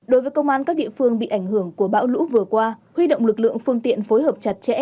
đối với công an các địa phương bị ảnh hưởng của bão lũ vừa qua huy động lực lượng phương tiện phối hợp chặt chẽ